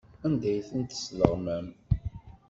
Anda ay ten-tesleɣmam?